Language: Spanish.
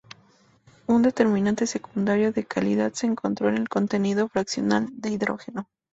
Un determinante secundario de calidad se encontró en el contenido fraccional de hidrógeno.